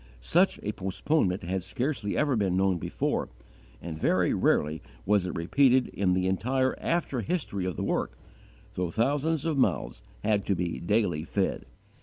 Such a postponement had scarcely ever been known before, and very rarely was it repeated in the entire after history of the work, though thousands of mouths had to be daily fed.